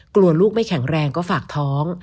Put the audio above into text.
กลัวลูกไม่แข็งแรงก็ฝากท้อง